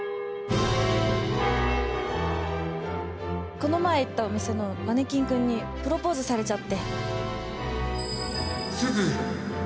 この前行ったお店のマネキン君にプロポーズされちゃって。